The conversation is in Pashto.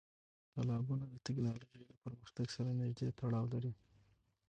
تالابونه د تکنالوژۍ له پرمختګ سره نږدې تړاو لري.